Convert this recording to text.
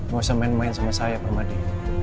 gak usah main main sama saya permadi